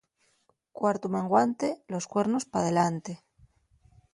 Cuartu menguante los cuernos p'adelante.